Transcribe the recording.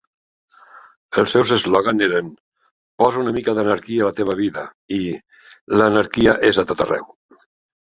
Els seus eslògans eren "posa una mica d'anarquia a la teva vida" i "l'anarquia és a tot arreu".